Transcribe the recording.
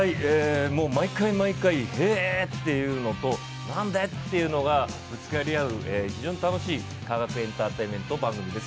毎回毎回へえというのと何で？というのがぶつかり合う非常に楽しい科学エンターテインメント番組です。